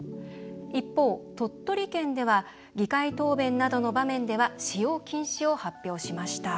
一方、鳥取県では議会答弁などの場面では使用禁止を発表しました。